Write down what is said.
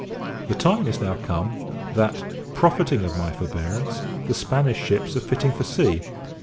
The time is now come that, profiting of my forbearance, the Spanish ships are fitting for sea.